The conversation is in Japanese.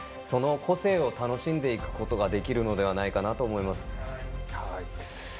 その個性を楽しんでいくことができるのではないかなと思います。